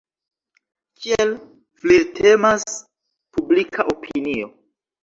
Kiel flirtemas publika opinio!